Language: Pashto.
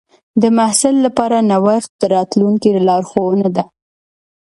د محصل لپاره نوښت د راتلونکي لارښوونه ده.